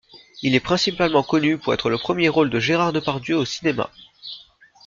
Il est principalement connu pour être le premier rôle de Gérard Depardieu au cinéma.